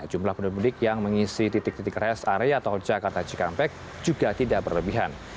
jumlah penduduk yang mengisi titik titik rest area tol jakarta cikampek juga tidak berlebihan